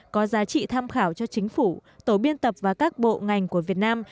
có giá trị tham khảo cho chính phủ tổ biên tập và các bộ ngành của việt nam